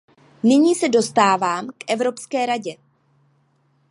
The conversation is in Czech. Nyní se dostávám k Evropské radě.